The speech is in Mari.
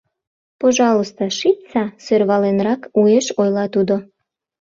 — Пожалуйста, шичса, — сӧрваленрак уэш ойла тудо.